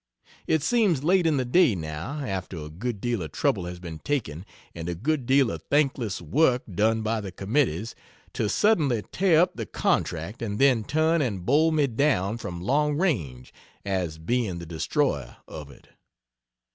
It seems late in the day, now, after a good deal of trouble has been taken and a good deal of thankless work done by the committees, to, suddenly tear up the contract and then turn and bowl me down from long range as being the destroyer of it.